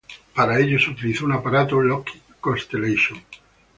Para ello se utilizó un aparato Lockheed Constellation.